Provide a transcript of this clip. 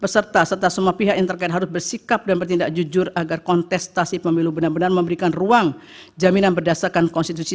peserta serta semua pihak yang terkait harus bersikap dan bertindak jujur agar kontestasi pemilu benar benar memberikan ruang jaminan berdasarkan konstitusi